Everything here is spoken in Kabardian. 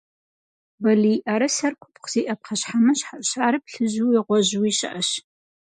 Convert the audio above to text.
Балийӏэрысэр купкъ зиӏэ пхъэщхьэмыщхьэщ, ар плъыжьууи гъуэжьууи щыӏэщ.